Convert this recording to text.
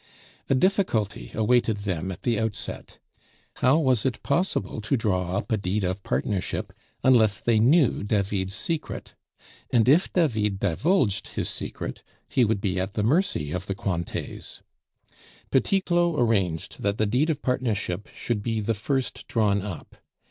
A difficulty awaited them at the outset. How was it possible to draw up a deed of partnership unless they knew David's secret? And if David divulged his secret, he would be at the mercy of the Cointets. Petit Claud arranged that the deed of partnership should be the first drawn up.